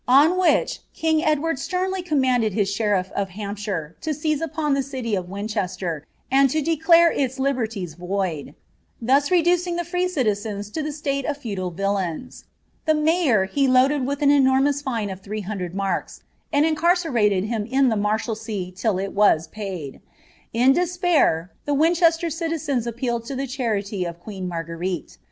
On which king Edward stenily commanded his sheriff of Hampshire to seize upon Uie city of Winchester, and to declare its liberties void; thus reducing the free citizens to the state of feudal villeins. The mayor he loaded with an enormous fine of 300 marks, «nd incarcerated him in the Marshalsea till it was paid. In despair, the Winchester citizens appealed to the charity of queen Marguerite.